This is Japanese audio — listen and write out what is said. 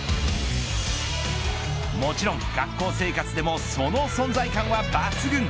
もちろん学校生活でもその存在感は抜群。